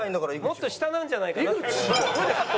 もっと下なんじゃないかなと。